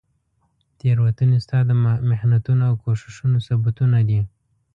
تیروتنې ستا د محنتونو او کوښښونو ثبوتونه دي.